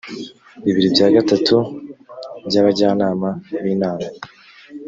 bibiri bya gatatu by abajyanama b inama